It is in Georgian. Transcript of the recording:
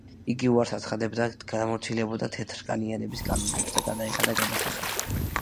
იგი უარს აცხადებდა დამორჩილებოდა თეთრკანიანების კანონებს და გადაეხადა გადასახადები.